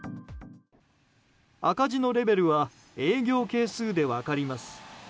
赤字のレベルは営業係数で分かります。